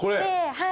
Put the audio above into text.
はい。